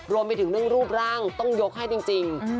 รวมไปถึงเรื่องรูปร่างต้องยกให้จริง